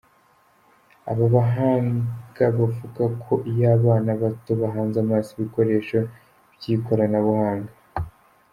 Aba bahanga bavuga ko iyo abana bato bahanze amaso ibikoresho by'ikoranabuhanga.